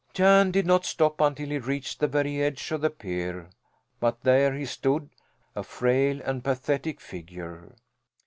Jan did not stop until he reached the very edge of the pier; but there he stood a frail and pathetic figure.